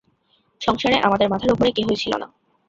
সংসারে আমাদের মাথার উপরে কেহই ছিল না।